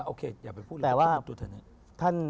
โอเคอย่าไปพูดลงไปกับทุกเเถียงนะ